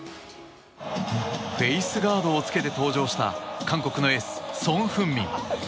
フェイスガードを着けて登場した韓国のエースソン・フンミン。